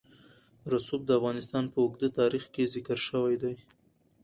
رسوب د افغانستان په اوږده تاریخ کې ذکر شوی دی.